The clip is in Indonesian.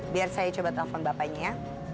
biar saya coba telepon bapaknya ya